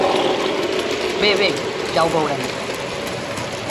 Bé, bé, ja ho veurem!